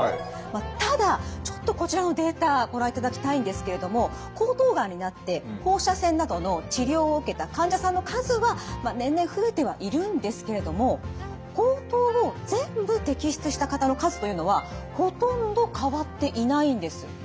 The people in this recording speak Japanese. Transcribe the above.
ただちょっとこちらのデータご覧いただきたいんですけれども喉頭がんになって放射線などの治療を受けた患者さんの数は年々増えてはいるんですけれども喉頭を全部摘出した方の数というのはほとんど変わっていないんです。